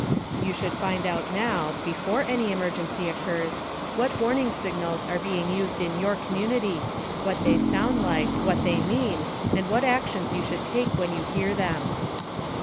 You should find out now, before any emergency occurs, what warning signals are being used in your community, what they sound like, what they mean, and what actions you should take when you hear them.